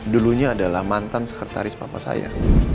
dulunya adalah mantan sekretaris papa saya